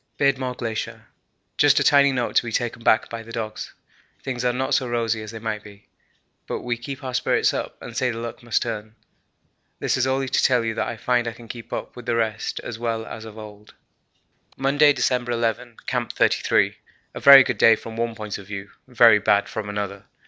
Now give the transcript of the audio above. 'Beardmore Glacier. Just a tiny note to be taken back by the dogs. Things are not so rosy as they might be, but we keep our spirits up and say the luck must turn. This is only to tell you that I find I can keep up with the rest as well as of old.' Monday, December 11. Camp 33. A very good day from one point of view, very bad from another.